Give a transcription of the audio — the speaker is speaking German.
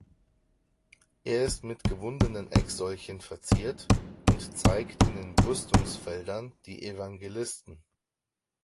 Er ist mit gewundenen Ecksäulchen verziert und zeigt in den Brüstungsfeldern die Evangelisten.